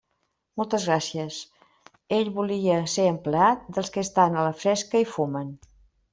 Moltes gràcies; ell volia ser empleat dels que estan a la fresca i fumen.